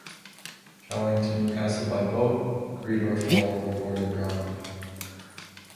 Travelling to Newcastle by boat, Greedor fell overboard and drowned.